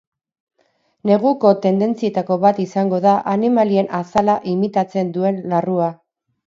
Neguko tendentzietako bat izango da animalien azala imitatzen duen larrua.